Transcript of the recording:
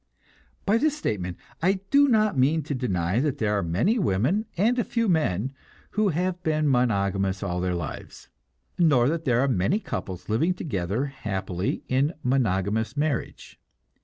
By this statement I do not mean to deny that there are many women, and a few men, who have been monogamous all their lives; nor that there are many couples living together happily in monogamous marriage.